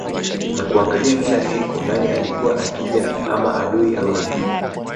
kwa kuangalia kila siku nani alikuwa akija ama adui au rafiki